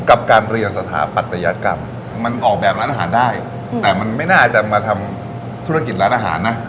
กับการเรียนสถาปัตยกรรมมันออกแบบร้านอาหารได้แต่มันไม่น่าจะมาทำธุรกิจร้านอาหารนะ